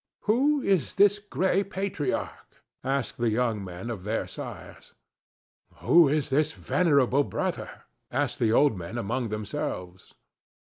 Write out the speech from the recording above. "Who is this gray patriarch?" asked the young men of their sires. "Who is this venerable brother?" asked the old men among themselves.